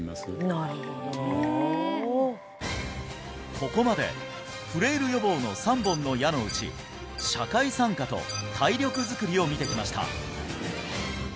ここまでフレイル予防の３本の矢のうち社会参加と体力作りを見てきました